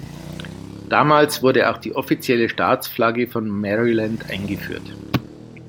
Damals wurde auch die offizielle Staatsflagge von Maryland eingeführt.